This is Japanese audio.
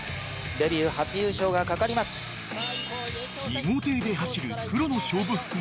［２号艇で走る黒の勝負服が明美さん］